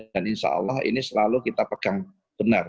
dan insya allah ini selalu kita pegang benar